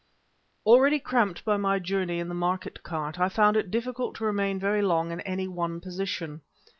Already cramped by my journey in the market cart, I found it difficult to remain very long in any one position.